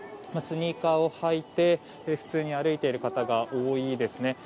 スニーカーを履いて普通に歩いている方が多いですね。